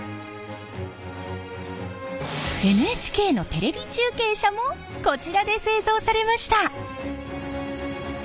ＮＨＫのテレビ中継車もこちらで製造されました。